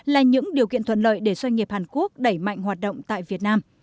là những điều kiện thuận lợi để doanh nghiệp hàn quốc đẩy mạnh hoạt động tại việt nam